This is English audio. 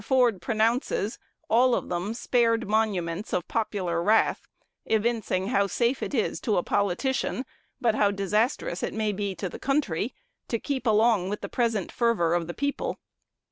Ford pronounces "all of them spared monuments of popular wrath, evincing how safe it is to a politician, but how disastrous it may be to the country, to keep along with the present fervor of the people."